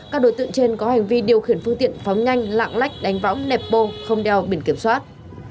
các đối tượng trên có hành vi điều khiển phương tiện phóng nhanh lạng lách đánh võng nẹp bô không đeo biển kiểm soát